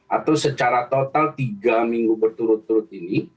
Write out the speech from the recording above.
atau secara total tiga minggu berturut turut ini